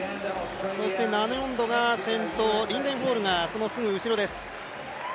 ナニョンドが先頭リンデン・ホールがすぐ後ろです。